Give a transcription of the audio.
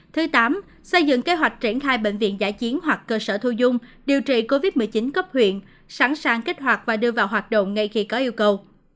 thứ tám xây dựng kế hoạch triển khai bệnh viện giã chiến hoặc cơ sở thu dung điều trị covid một mươi chín cấp huyện sẵn sàng kích hoạt và đưa vào hoạt động ngay khi có yêu cầu